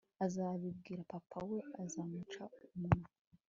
azabibwira papa we azamuca umunwa